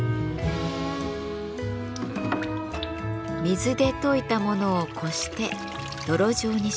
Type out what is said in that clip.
水で溶いたものをこして泥状にします。